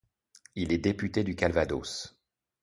Il est député du Calvados.